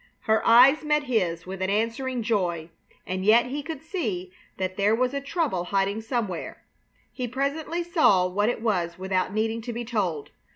Her eyes met his with an answering joy, and yet he could see that there was a trouble hiding somewhere. He presently saw what it was without needing to be told.